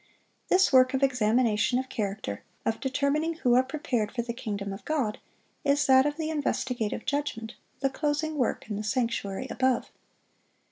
This work of examination of character, of determining who are prepared for the kingdom of God, is that of the investigative judgment, the closing work in the sanctuary above.